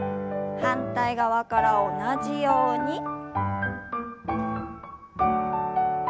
反対側から同じように。